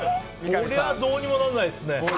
こりゃどうにもならないですね。